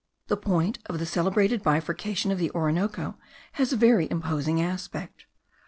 The point of the celebrated bifurcation of the Orinoco has a very imposing aspect.